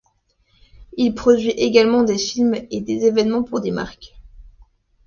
Il produit également des films et des événements pour des marques.